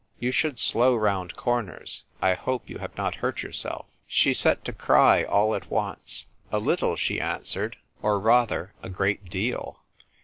" You should slow round corners. I hope you have not hurt yourself." CALLED "OF ACCIDENTS." 89 She set to cry all at once. "A little," she answered. " Or rather, a great deal."